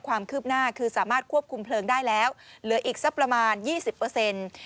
ความคืบหน้าคือสามารถควบคุมเพลิงได้แล้วเหลืออีกสักประมาณยี่สิบเปอร์เซ็นต์